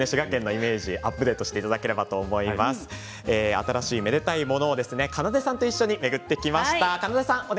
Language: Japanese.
新しいめでたいものかなでさんと巡ってきました。